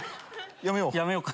やめようか。